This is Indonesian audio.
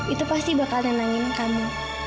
itu pasti bakal nenangin kamu